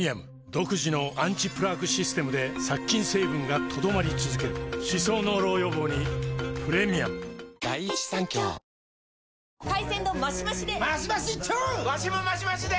独自のアンチプラークシステムで殺菌成分が留まり続ける歯槽膿漏予防にプレミアム海鮮丼マシマシで！